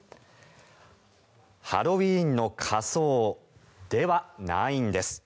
ハロウィーンの仮装ではないんです。